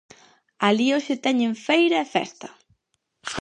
Alí hoxe teñen feira e festa.